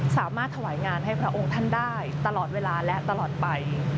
สามารถถวายงานให้พระองค์ท่านได้ตลอดเวลาและตลอดไป